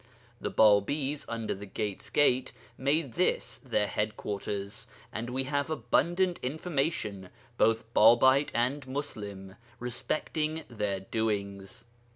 The Bābīs under the 'Gate's Gate' made this their headquarters, and we have abundant information, both Bābite and Muslim, respecting their doings.